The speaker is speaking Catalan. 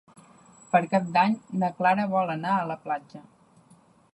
Per Cap d'Any na Clara vol anar a la platja.